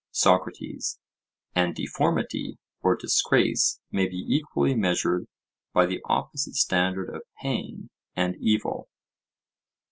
SOCRATES: And deformity or disgrace may be equally measured by the opposite standard of pain and evil?